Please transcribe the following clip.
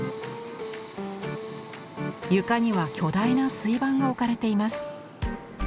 床には巨大な水盤が置かれています。